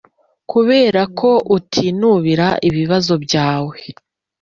kuberako utinubira ibibazo byawe.